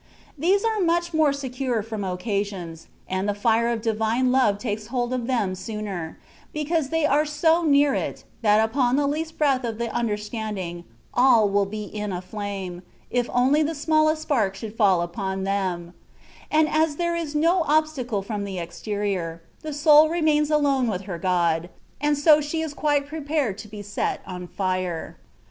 These are much more secure from occasions, and the fire of Divine Love takes hold of them sooner, because they are so near it, that upon the least breath of the imder standing, all w&l be in a flame, if only the smallest spark should fall upon them ; and as there is no obstacle from the exterior, the soul remains alone with her Grod, and so she is quite prepared to be set on fire.